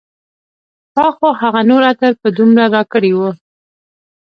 تا خو هغه نور عطر په دومره راکړي و